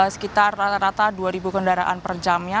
sekitar rata rata dua ribu kendaraan per jamnya